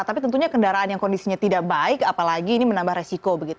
tapi tentunya kendaraan yang kondisinya tidak baik apalagi ini menambah resiko